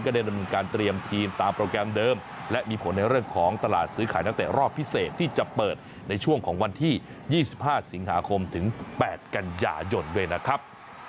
ได้ดำเนินการเตรียมทีมตามโปรแกรมเดิมและมีผลในเรื่องของตลาดซื้อขายนักเตะรอบพิเศษที่จะเปิดในช่วงของวันที่๒๕สิงหาคมถึง๘กันยายนด้วยนะครับ